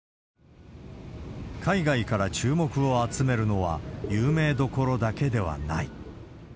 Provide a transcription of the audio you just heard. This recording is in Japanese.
海外から注目を集めるのは、有名どころだけではない。